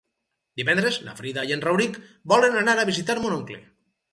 Divendres na Frida i en Rauric volen anar a visitar mon oncle.